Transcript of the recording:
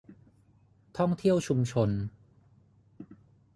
ท่องเที่ยวชุมชน